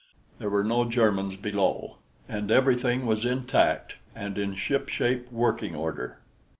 There were no Germans below, and everything was intact and in ship shape working order.